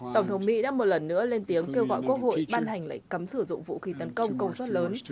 tổng thống mỹ đã một lần nữa lên tiếng kêu gọi quốc hội ban hành lệnh cấm sử dụng vũ khí tấn công công suất lớn